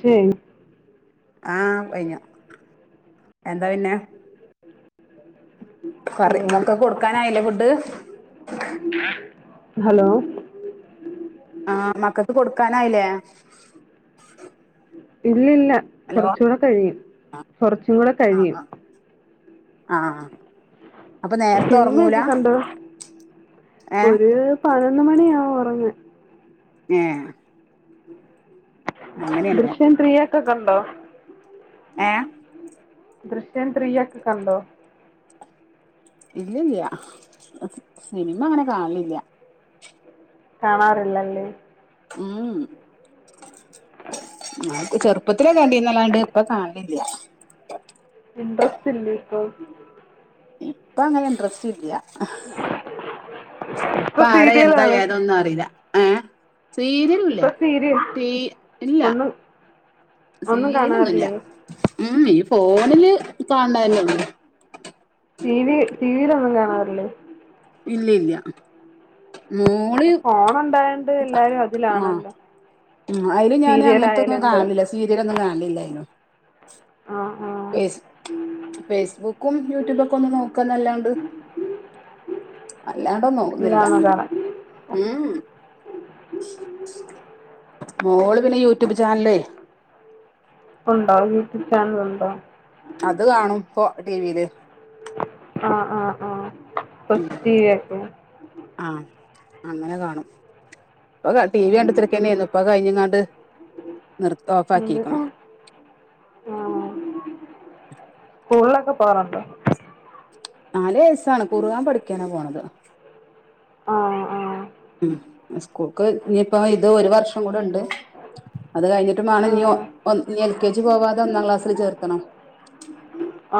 ശരി ആ കൈഞ്ഞ എന്താ പിന്നെ കറി ആഹ് ഇക്കെ കൊടുക്കാനായില്ലേ ഫുഡ് ഹലോ ആ മക്കക്ക് കൊടുക്കാനായില്ലേ ഇല്ലില്ല ഹലോ കുറച്ചും കൂടെ കഴിയും കുറച്ചും കൂടെ കഴിയും ആ സിനിമയൊക്കെ കണ്ടോ ഏഹ് ഒരു പ ന്ന് മണിയാവ ഒറങ്ങാൻ ഏഹ് അങ്ങനെയാണല്ലേ ദൃശ്യപ്രിയ ഇത്ത കണ്ടോ ഏ ദൃശ്യൻ ട്രീ ഒക്കെ കണ്ടോ ഇല്ലല്ല സിനിമ അങ്ങനെ കാണലില്ല കാണാറില്ലല്ലേ ഉം [inaudible] ചെറുപ്പത്തിലൊ കണ്ടന്നല്ലാണ്ട് ഇപ്പൊ കാണലില്ല ഇൻട്രസ്റ്റ് ഇല്ല ഇപ്പൊ ഇപ്പ അങ്ങനെ ഇൻട്രസ്റ്റ് ഇല്ല എപ്പ ഇപ്പൊ ആടെ എന്താ സീരിയലാണ് ഏതൊന്നും അറിയില്ല ആഹ സീരരല്ല ഇപ്പൊ സീരിയൽ ത ഇല്ല ഒന്നും ഒന്നും സിരിലൊന്നുമല്ല കാണാറില്ലേ ഉ ഫോണില് കാണാനള്ള ടിവി ടിവിൽൊന്നും കാണാറില്ലേ ഇല്ല ഇല്ല അ ഫോൺ എന്തായ ആ അതില് ഞാാന് സീരിയൽ ആയാലും അങ്ങനത്തൊന്നും എന്ത് കാണലില്ല സീരിയലൊന്നും കാണലില്ല [unintelligible] ആഹ് ആഹ് ഫേസ് ഫേസ്ബുക്കും യൂട്യൂബൊക്കെ ഒന്ന് നോക്കന്നല്ലാണ്ട് അല്ലാണ്ടന്നും നോക്കുന്നില്ല ഇല്ലാന്ന് കാണാൻ ഉ മോള് പിന്നെ യൂട്യൂബ് ചാനലേ ഉണ്ടോ യൂട്യൂബ് ചാനൽ ഉണ്ടോ അത് കാണും ഇപ്പൊ ടി വില് ആഹ ആഹ ആഹ കൊസിറ്റയക്ക ആഹ് അങ്ങനെ കാണും അപ്പ ടി വി ഉം. കണ്ടത്തിരക്കന്നെയായിരുന്നു ഇൊ കഞ്ഞ അണ്ട് ആ സ്ൂക്കെ പററണ്ടോ നാല് വയസ്സാണ് കുറുകാൻ പഠിക്കാനാ പോണത് ആ ആ ഉ സ്കൂൾക്ക് ഇനിയിപ്പോൊ ഇത് ഒരു വർഷം കൂടെ ഉണ്ട് അത് കഴിഞ്ഞിട്ട് ആ വേണം നീ നീ എൽ കെ ജി പോവാതെ ഒന്നാം ക്ലാസ്സിില് ചേർത്തണം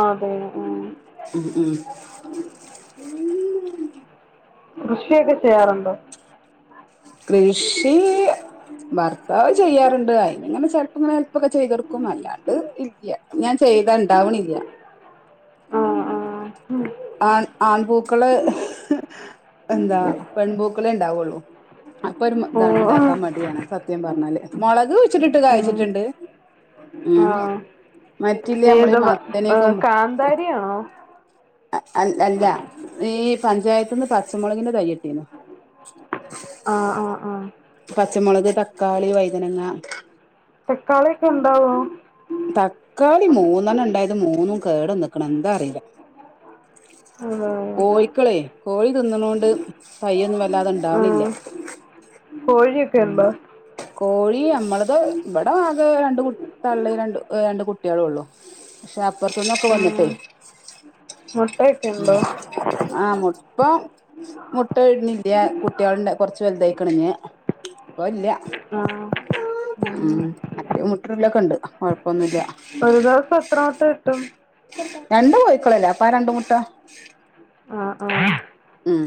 അതെ ആ ഉ ഉം കൃഷിയൊക്കെ ചെയ്യാറുണ്ടോ കൃഷി ഭർത്താവ് ചെയ്യാറുണ്ട് അയിനി ഇങ്ങനെ ചെപ്പം ഇങ്ങനെ ചെല്പ്പൊക്കെ ചെയ്തൊടുക്കും അല്ലാണ്ട് ഇല്ല ഞാൻ ചെയ്ത ഇണ്ടാവണില്ല ആ ആ ആൺ ആൺപൂക്കള എന്താ പെൺപൂക്കള ഉണ്ടാവുള്ളൂ അപ്പരും ഓ ഇതാണ് ഉണ്ടാക്കാൻ വേണ്ടിയാണ് സത്യം പറഞ്ഞു ല്ല മുളക്ു വച്ചിട്ടിട്ട് ഉം. കഴച്ചിട്ടുണ്ട് ആ ഉം മറ്റില്ലേ നമ്മള് ഏത് മത്തന് കാന്താരിയാണോ അ അല്ല ഈ പഞ്ചായത്ത് നിന്ന് പച്ചമുളകിന്റെ തൈകി ട്ടീന്ന ആ ആ ആ പച്ചമുളക് തക്കാളി വൈതനങ്ങ തക്കാളിയൊക്കെ ഉണ്ടാവും തക്കാളി മൂന്നെണ്ണം ഉണ്ടായത് മൂന്നും കേട നിക്കണം എന്താ അറിയില്ല അതെ. കോഴിക്കളേ കോഴി തിന്നണ കൊണ്ട് തയ്യൊന്നും വല്ലാതെ ആ ഉണ്ടാവണില്ല കോഴിയൊക്കെ ഉ ഉണ്ടോ കോഴി നമ്മളത് ആ അത് രണ്ട് കുട്ടി തള്ളി രണ്ട് രണ്ട് കുട്ടികള ഉള്ളൂ പക്ഷെ പുറത്തുന്നൊക്കെ വന്നിട്ടേ ഉം. മുട്ടയൊക്കെ ഉണ്ടോ ഉ ആ മുപ്പം മുട്ട ഇഴുന്നില്ല കുട്ടികളന്റെ കൊറച്ച്ു വലുതയിക്കണിഞ് അപ്പ ഇല്ല ആ ഉം അറ്റ മുട്ടല്ലൊക്കെ ഉണ്ട് കുഴപ്പൊന്നുമില്ല ഒരു ദിവസം എത്ര മൊട്ട കിട്ടും എന്താ കോ യിക്കോളല്ലേ അപ്പാ രണ്ട മുുട്ട ആ ആ ഉം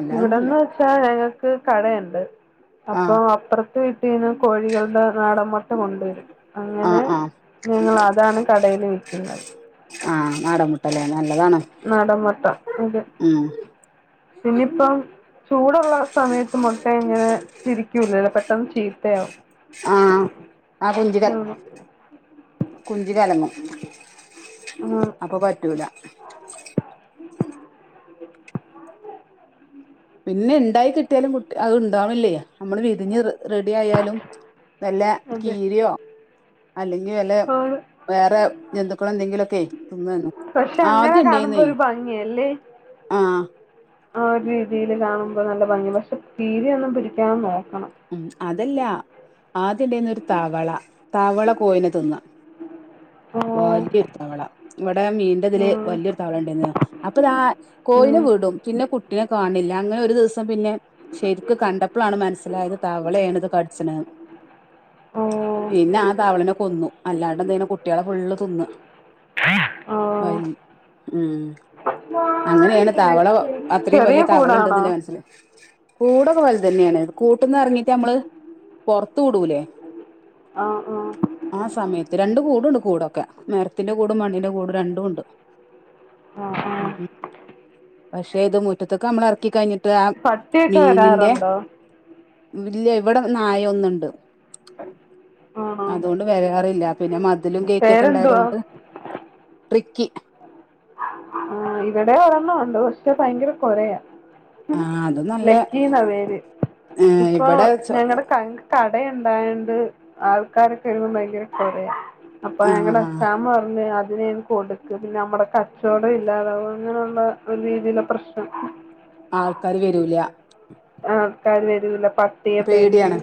അല്ലാണ്ടില്ല ഇവിടെന്ന് വെച്ചാൽ ക്ക് കടുണ്ട് അപ്പൊ ആഹ് അപ്പറം ഇട്ട കട്ടിന്ന് കോഴികളുടെ നാടൻമൊട്ട കൊണ്ടുവരും അങ്ങനെ ആഹ് ആഹ് ഞങ്ങൾ അതാണ് കടയി ൽ ആനട് ന്മുട്ട നാടൻ മുട്ട അത് ഉം പിന്നയിപ്പം ചൂടുള്ള സമയത്ത് മുട്ട ഇങ്ങനെ തിരിക്കൂല്ലല്ല പ ം ചീത്തയാവും ആആ കുഞ്ചിക ആണ് കുഞ്ചി കലങ്ങും ആഹ് അപ്പൊ പറ്റൂല ഉ പിന്നെ ഉണ്ടായി കിട്ടിയാലും കുട്ടി അത് ഉണ്ടാവില്ലേ നമ്മള് വിരിഞ്ഞ് റെഡി ആയാലും നല്ല അതെ കീരിയോ അല്ലെങ്കിൽ വല്ല ആണ് വേറെ ജന്തുക്കൾ എന്തെങ്കിലുമൊക്കെ തിന്നു കാണും പക്ഷെ ആ അങ്ങനെ ആദ്യ കാണുമ്പോ ഉണ്ടയേനെ ഒരു ഭംഗിയല്ലേ ആ ആ ഒരു രീതിൽ കാണുമ്പോ നല്ല ഭംഗി പക്ഷെ തീരെ ന്നും പിടി ക്കാതെ നോ ക്കണം ഉം അതല്ല ആദ്യം ഉണ്ടന്നൊ ഒരു താവള താവള കോയിനെ തിന്ന ഓ [unintelligible] തവള ഇവിടെ മീന്റെതില് ഉം, വലിയൊരു തവള ഉണ്ടായിരുന്നയാ അപ്പൊ താ കോയിനെ ഉം, വീടും പിന്നെ കുട്ടിനെ കാണില്ല അങ്ങനെ ഒരു ദിവസം പിന്നെ ശരിക്ക് കണ്ടപ്പളാണ് മനസ്സിലായത് തവളയേണ് ഇത് കടിച്ചണ് ഓ പിന്നെ ആ തവളനെ കൊന്നു അല്ലാണ്ട് എന്തെ കുട്ടികളെ ഫുള്ള് തിന്ന് വ ആ. ഉം അങ്ങനെയാണ് തവള അത്രയും ചെറിയ വലിയ തവള കൂടാണോ ഉണ്ടന്നേ മനസ്സിലായെ കൂടൊക്കെ വലുതന്നെയാണ് കൂ ട്ടീന്ന് ഇറങ്ങിട്ട് നമ്മള് പുറത്തു വിടൂലേ ആ ആ ആ സമയത്ത് രണ്ട് കൂടുണ്ട് കൂടൊക്കെ മരത്തിന്റെ കൂടും മണ്ണിന്റെ കൂടും രണ്ടുംണ്ട് ആഹ് ആ പക്ഷേ ഇത് മുറ്റത്തൊക്ക നമ്മള് എറക്കി കഴിഞ്ഞ പട്ടിയൊക്കെ വരാറുണ്ടോ ഇല്യ ഇവിടെ നായ ഒന്നുണ്ട് ആണോ അതുകൊണ്ട് വരാറില്ല പിന്നെ മതിലും ഗേറ്റ് ഒക്കെ പേരെന്തുവാ ഇണ്ടായതുകൊണ്ട് റിക്കി ആ ഇവിടെ ഒരെണ്ണമുണ്ട് പക്ഷെ ഭയങ്കര കൊരയാ ആ അത് നല്ല ലക്കി എന്ന പേര് ഇപ്പൊ ഇവിടെ ഞങ്ങളടെ ക ക ഇടെ ഉണ്ടായണ്ട് ആൾക്കാരൊക്കെ ഇരുന്നു ഭയങ്കര കുരായ അപ്പൊ ആ എങ്ങനെ [unintelligible] പറഞ്ഞു അത് അതിനെ കൊടുക്ക് പിന്നെ നമ്മടെ കച്ചവടം ഇല്ലാതാവും അങ്ങനെയുള്ള ഒരു രീതിയില പ്രശ്നം ആൾക്കാര് വരൂല ആൾക്കാര് വരൂല പട്ടിയെ പേടിയാണ് പേടിച്ച്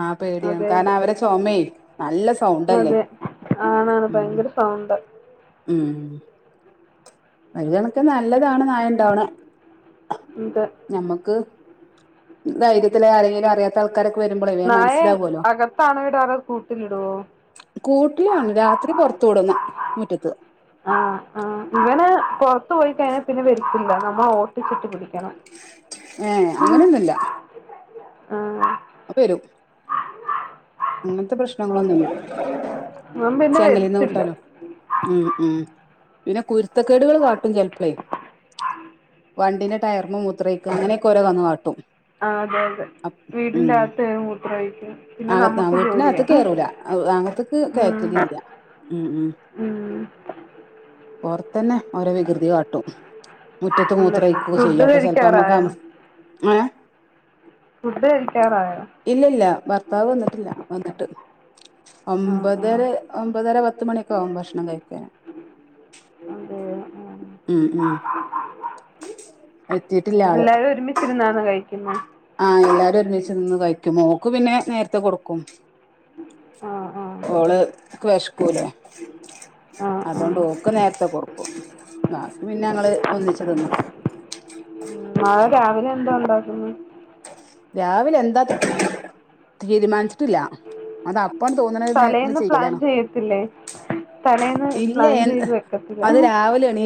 ആ പേടിയാണ് അതെ കാരണം അതെ അവരെ ചുമയെ നല്ല സൗണ്ടല്ലേ അതെ ആണാണ് ഉം ഭയങ്കര സൗണ്ട് ഉം [unintelligible] നല്ലതാണ് നായണ്ടാവണ ഇത് ഞമ്മക്ക് ധൈര്യത്തില് ആരെങ്കിലും അറിയാത്ത ആൾ നായെ അകത്താണോ ഇടറു കൂട്ടിലിടുവോ കൂട്ടിലാണ് രാത്രി പൊറത്ത് വിടുന്ന മുറ്റത്ത് പുറത്തു പോയി കഴിഞ്ഞാൽ പിന്നെ വരുത്തില്ല നമ്മൾ ഓട്ടിച്ചിട്ട് പിടിക്കണം ഏ അങ്ങനെന്നുല്ല ആ അപ്പ വരും അങ്ങനത്തെ പ്രശ് ങ്ങളൊന്നുമില്ല അവൻ പിന്നെ ചങ്ങലേന്ന് വരത്തില്ല വിട്ടാലോ ഉം ഉം പിന്നെ കുരുത്തക്കേടുകൾ കാട്ടും ചെലപ്പളേ വണ്ടിന്റെ ടയർമ മുത്രയ്ക്ക അങ്ങനെയൊക്കെ ഓരോന്ന് കാട്ടും ആ അതെ അതെ വീ ഉം ഉം നമുക്ക് വീട്ടിന് ജോലിയാ അകത്ത് കേറൂല അകത്ത്ക്ക് ഉം കയറ്റല് ഇല്ല ഉം ഉം ഉം ഓറ തന്നെ ഓരോ വികൃതി കാട്ടും മുറ്റത്ത് ഉണ്ട് മൂത്രഴിക്കൊക്കെ ഫുഡ് ചെയ്യും അപ്പൊ ചെലപ്പോ നമ്മക്ക് കഴിക്കാറായോ ഏ ഫുഡ് കഴിക്കാറായോ ഇല്ല ഇല്ല ഭർത്താവ് വന്നിട്ടില്ല വന്നിട്ട് ആ ആ ഒമ്പതര ഒമ്പതര പത്തുമണിയൊക്കെ ആകും ഭക്ഷണം കഴിക്കാന് അതെയോ ആ ഉം ഉം എത്തീട്ടില്ല ആള് എല്ലാരും ഒരുമിച്ചിരുന്നാണ് കഴിക്കുന്നെ ആഹ് എല്ലാരും ഒരുമിച്ച് നിന്ന് കഴി മോക്ക് പിന്നെ നേരത്തെ കൊടുക്കും ആ ആ ഓള്ക്ക് വിഷക്കൂലേ ആ ആ അതൊണ്ട് ഓക്ക് നേരത്തെ കൊട്ക്കും ബാക്കി പിന്നെ ഞങ്ങള് ഒന്നിച്ച് തിന്നും നാളെ രാവിലെ എന്താ ഉണ്ടാക്കുന്ന് രാവിലെ എന്താ തീരുമാനിച്ചിട്ടില്ല അത തലേന്ന് പ്ലാൻ ചെയ്യത്തില്ലേ തലേന്ന് പ്ലാൻ ചെയ്ത് വെക്കത്തില്ലേ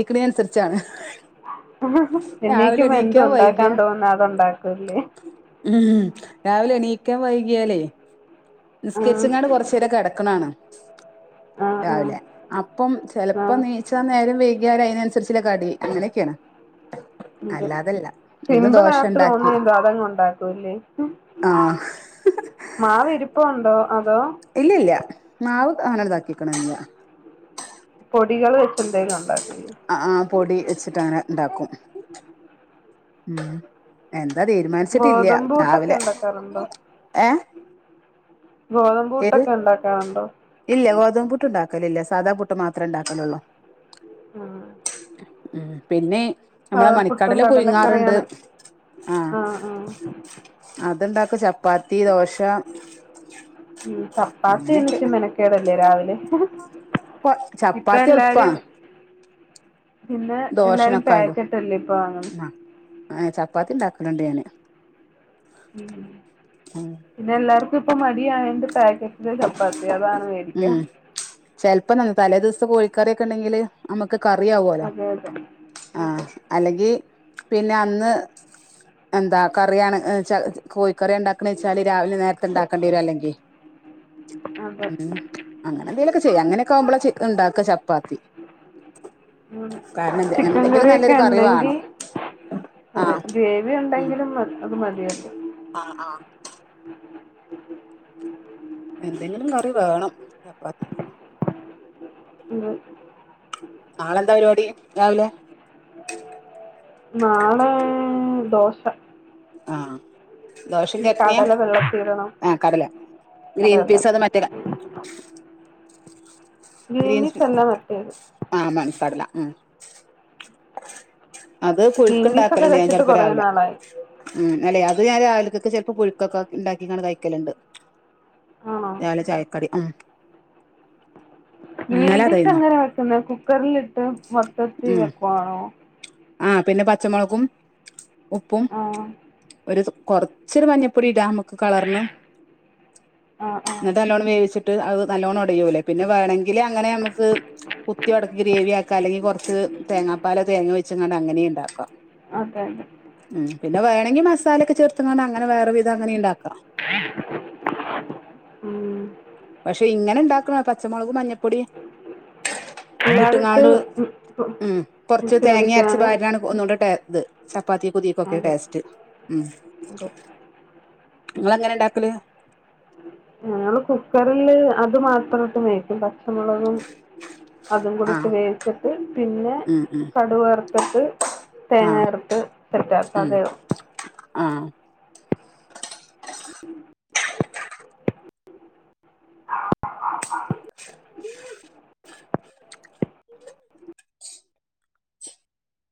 [unintelligible] അനുസരിച്ചാണ് എണീകുമ്പം എന്തു ഉണ്ടാക്കാൻ തോന്നുന്നു അത്ണ്ടാക്കൂല്ലേ ഉം ഉം രാവിലെ എണീക്കാൻ വൈകിയാല് ആഹ് നിസ്കരിച്ച്ങ്ങാണ്ട് കുറചേരം കിടക്കണാണ് [unintelligible] ആഹ് ആഹ് രാവിലെ അപ്പം ചിലപ്പോ ആഹ് നീചാൻ നേരം വയ് വൈകിയാല് അതിനനുസരിച്ള്ള കടി അങ്ങനൊക്കെയാണ് സിമ്പിൾ ദോശ ആയിട്ട് ഉണ്ടാക്കി തോന്ന്ണതെന്തോ അതങ്ങ് ഉണ്ടാക്കൂല്ലേ ആഹ് മാവിരിപ്പുണ്ടോ അതോ ഇല്ല ഇല്ല മാവ് അങ്ങനെ താകീകണില്ല്യ കുട്ടികള് എന്തേലും ഉണ്ടാ ആ ആ പൊടി വെച്ചിട്ട് അങ്ങനെ ഉണ്ടാക്കും ഉം എ അത് തീരുമാനിച്ചിട്ടില്ല ഗോതമ്പ് പുട്ടൊക്കെ രാവിലെ ഉണ്ടാക്കാറുണ്ടോ ഏ ഏത് ഗോതമ്പുട്ടൊക്കെ ഉണ്ടാക്കാറുണ്ടോ ക്കലില്ല സാധാ പുട്ട് മാത്ര ഉണ്ടാക്കലള്ളൂ ആഹ് ഉം പിന്നെ നമ്മളെ പഴപ്പുട്ടും മണിക്കടല പുഴങ്ങാറുണ്ട് കടലക്കറിയാണ് ആഹ ആഹ് ആഹ് അത്ണ്ടാ ചപ്പാ പ്പാത്തി ദോശ ഉം ചപ്പാത്തി എന്ന് വെച്ച മെനക്കേടല്ലേ രാവിലെ കൊ ഇപ്പൊ ചപ്പാത്തി എല്ലാരും എളുപ്പാണ് പിന്നെ എല്ലാരും പാക്കറ്റ്ല്ലേ ഇപ്പൊ വാങ്ങുന്നെ ഇവിടെണ്ട് ഞാന് ഉം ഉം പിന്നെ എല്ലാരും ളുപ്പമായി മടി ആയോണ്ട് പാക്കറ്റിലെ ചപ്പാത്തി അതാണ് മേടിക്കാ ഉം കറിയൊക്കെ ഉണ്ടെങ്കില് നമുക്ക് കറി ആവല്ലോ അതെ അതെ ആ അതെ അല്ലെങ്കി പിന്നെ അന്ന് എന്താ കറിയാണ് ചെല കോഴി കറി ഉണ്ടാക്കണ വെച്ചാല് രാവിലെ നേര ഇണ്ടാക്കേണ്ടി വരും അല്ലെങ്കി അതെ ഉം അങ്ങനെ എന്തെലുമൊക്കെ ചെയ്യാ അങ്ങനെയൊക്കെയാവുമ്പോഴാ ചിക് ഉണ്ടാക്ക ചപ്പാത്തി ഉം കാരണം എന്ത് എന്തെങ്കിലും നല്ലൊരു ഒക്കെ കറി ഉണ്ടെങ്കി വേണം ആ അതെ ഉം ഉണ്ടെങ്കിലും മ അത് മതിയല്ലോ ആ ആ എന്തെങ്കിലും കറി വേണം ചപ്പാത്തിക്ക് ഉം നാളെന്താ പരിപാടി രാവിലെ നാളെ ദോശ ആ ദോശയും ഇനി ചട്നിയാ കടല വെള്ളത്തിലിടണം ആ കടല ഗ്രീൻ കടലല്ല പീസ് അതോ മറ്റെത് ഗ്രീൻപീ അല്ല മറ്റേത് ആ മണിക്കടല ഉം അത് പുഴുക്ക് ഒക്കെ ഉണ്ടാക്കലുണ്ട് ഞാൻ വെച്ചിട്ട് ചെലപ്പോ കുറെ രാവിലെ നാളായി ഉം അല്ലെ രാ അത് ഞാൻ രാവിലക്കൊക്കെ ചെലപ്പോ പുഴുക്കൊക്കെ ഉണ്ടാക്കികാണ് കഴിക്കലുണ്ട് ആണോ രാവിലെ ചായക്കടി ആ ഇന്നലെ ഗ്രീൻപീസ് അതായിരുന്നു എങ്ങനാ വെക്കുന്നെ കുക്കറിലിട്ട് മൊത്തത്തി ഉം വെക്കുവാണോ ആ പിന്നെ പച്ചമുളകും ഉപ്പും ആ ഒരു കുറച്ചൊരു ഒരു മഞ്ഞപ്പൊടി ഇടാമ് കളറിന് ആ ആ എന്നിട്ട് നല്ലോണം വേവിച്ചിട്ട് അത് നല്ലോണ്ണം ഉടയൂലേ പിന്നെ വേണെങ്കില് ആ അങ്ങനെ ഞമ്മക്ക് കുത്തി അടക്കി ഗ്രേവി ആക്കി കലങ്ങി കുറച്ച് തേങ്ങാപ്പാല് തേങ്ങയൊ പച്ചങ്ങ അങ്ങനെ ഉണ്ടാക്കാം തെതെ ഉം പിന്നെ വേണെങ്കി മസാലൊക്കെ ചേർത്ത കൊണ്ട് അങ്ങനെ വേറെ വിധം അങ്ങനെ ഉണ്ടാക്കാം ഉം പക്ഷെ ഇങ്ങനെ ഇണ്ടാക്കണ പച്ചമുളക് മഞ്ഞപ്പൊടിയ ഇയാളിട്ട് ഇട്ടങ്ങാട് ഉം കൊറച്ച് തേങ്ങ അരച്ച വിസിലടിക്കാണ് ഭാര്ാണ് ഒന്നുകൊണ്ടിട്ടത് ചപ്പാത്തി പുതിയക്കൊക്കെ അതെ ടേസ്റ്റ് ഉം അതെ നിങ്ങ അങ്ങനെ ഉണ്ടാക്കല് ഞങ്ങള്ൾ കുക്കറിില് അത് മാത്രമായിട്ട് മേിക്കും പക്ഷ പച്ചമുളകും അതും കൂടി ഇട്ട് ആഹ് വേവിച്ചിട്ട് പിന്നെ ഉം ഉം കടുവ വേർത്തിട്ട് ആഹ് തേങ്ങേർത്ത് തെറ്റാ പക ഉം ആഹ് [unintelligible] [unintelligible]